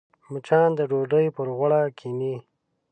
مچان د ډوډۍ پر غوړه کښېني